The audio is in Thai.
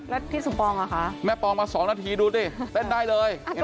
แล้วพี่สมปองอ่ะคะแม่ปองมา๒นาทีดูดิเต้นได้เลย